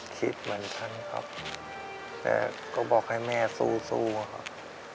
คิดเหมือนท่านครับแต่ก็บอกให้แม่สู้อะครับ